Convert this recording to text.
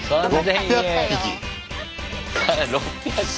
６００匹！